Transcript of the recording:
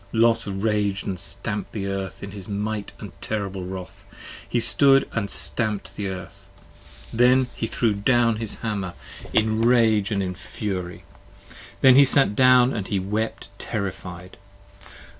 Los rag'd and stamp'd the earth in his might & terrible wrath! He stood and stamp'd the earth ; then he threw down his hammer in rage & 3 io In fury: then he sat down and wept, terrified!